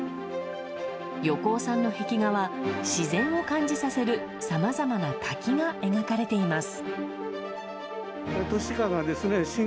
横尾さんの壁画は自然を感じさせるさまざまな滝が描かれています。